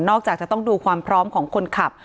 จากจะต้องดูความพร้อมของคนขับ